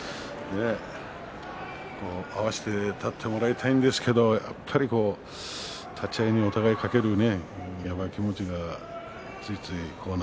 合わせて立ってもらいたいんですけどやはり立ち合いにお互いかけていますね。